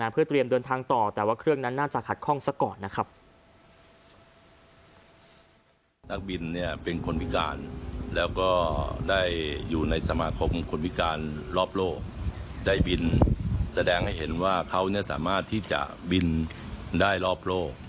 เพื่อเตรียมเดินทางต่อแต่ว่าเครื่องนั้นน่าจะขัดข้องซะก่อนนะครับ